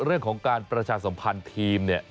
เรื่องของการประชาสัมพันธ์ทีมเนี่ย